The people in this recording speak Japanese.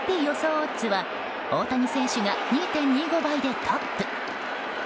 オッズは大谷選手が２．２５倍でトップ。